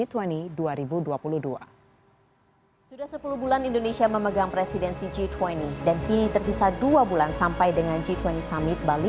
sudah sepuluh bulan indonesia memegang presidensi g dua puluh dan kini tersisa dua bulan sampai dengan g dua puluh summit bali